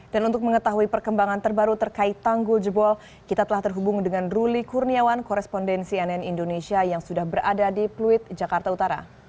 dan untuk mengetahui perkembangan terbaru terkait tanggul jebol kita telah terhubung dengan ruli kurniawan korespondensi ann indonesia yang sudah berada di pluit jakarta utara